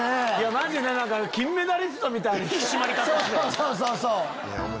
マジで金メダリストみたいな引き締まり方だった。